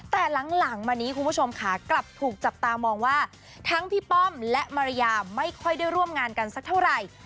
แต่หลังมานี้คุณผู้ชมค่ะกลับถูกจับตามองว่าทั้งพี่ป้อมและมารยาไม่ค่อยได้ร่วมงานกันสักเท่าไหร่